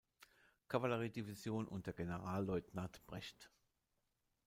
Kavallerie-Division unter Generalleutnant Brecht.